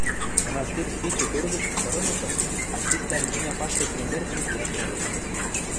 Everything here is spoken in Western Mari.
Мынастир пичӹ кӧргӹшкӹ пырымыкы, Анфислӓн Дуня паштек мӹндӹрцӹн кеӓш вӓрештӹ.